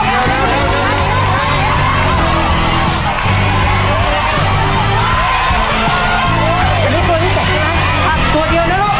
จะลึกตัวนี้เสร็จใช่ไหมตัวเดียวนะลูก